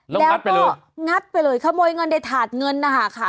แล้วก็งัดไปเลยขโมยเงินในถาดเงินนะคะ